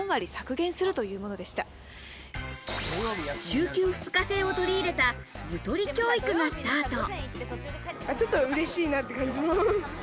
週休２日制を取り入れた、ゆとり教育がスタート。